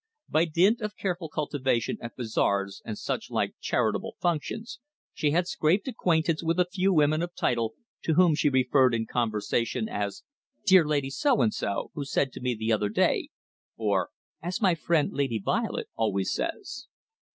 By dint of careful cultivation at bazaars and such like charitable functions she had scraped acquaintance with a few women of title, to whom she referred in conversation as "dear Lady So and So, who said to me the other day," or "as my friend Lady Violet always says."